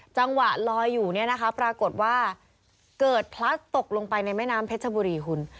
จังหวะลอยอยู่เนี่ยนะคะปรากฏว่าเกิดพลัดตกลงไปในแม่น้ำเพชรบุรีคุณ